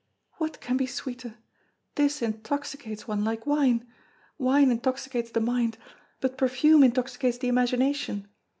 "What can be sweeter? This intoxicates one like wine wine intoxicates the mind, but perfume intoxicates the imagination.